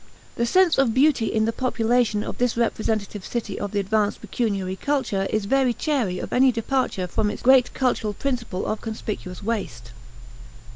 The sense of beauty in the population of this representative city of the advanced pecuniary culture is very chary of any departure from its great cultural principle of conspicuous waste.